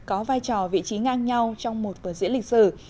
có vai trò vị trí ngang nhau trong một vở diễn lịch sử